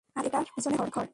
আর এটার পিছনে তার ঘর।